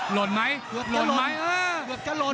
หล่นไหมหล่นไหม